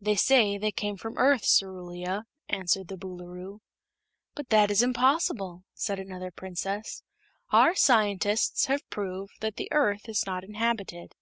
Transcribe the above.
"They say they came from the Earth, Cerulia," answered the Boolooroo. "But that is impossible," said another Princess. "Our scientists have proved that the Earth is not inhabited."